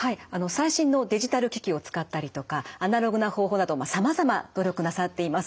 最新のデジタル機器を使ったりとかアナログな方法などさまざま努力なさっています。